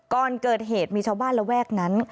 ก่อนเกิดเหตุมีชาวบ้านระแวกนั้น